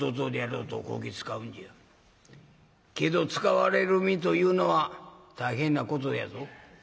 けど使われる身というのは大変なことやぞ。